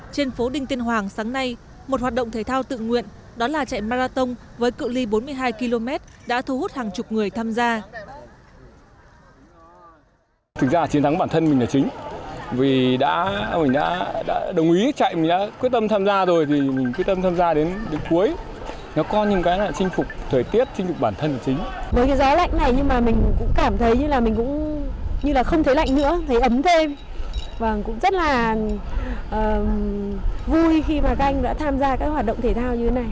trên phố đinh tiên hoàng sáng nay một hoạt động thể thao tự nguyện đó là chạy marathon với cựu ly bốn mươi hai km đã thu hút hàng chục người tham gia